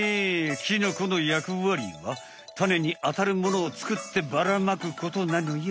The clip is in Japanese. キノコの役わりはタネにあたるものをつくってバラまくことなのよ。